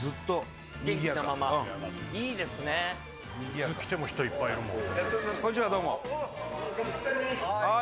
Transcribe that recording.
いつ来ても人いっぱいいるもん。